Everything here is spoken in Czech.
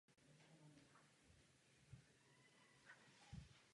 To prý mohla odvrátit jen krvavá oběť.